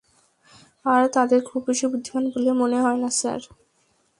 আর তাদের খুব বেশি বুদ্ধিমান বলে মনে হয় না, স্যার।